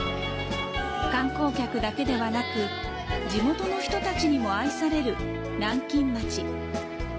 観光客だけではなく、地元の人たちにも愛される南京町。